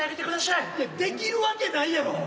いやできるわけないやろ。